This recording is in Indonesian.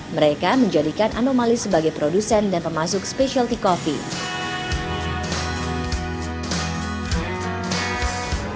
mereka menjadikan anomali sebagai produsen dan pemasuk specialty coffee